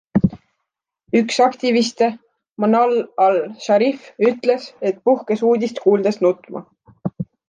Üks aktiviste, Manal al-Sharif, ütles, et puhkes uudist kuuldes nutma.